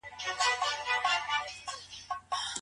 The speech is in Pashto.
ايا په نکاح کي د ولي شتون واجب دی؟